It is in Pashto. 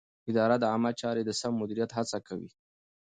اداره د عامه چارو د سم مدیریت هڅه کوي.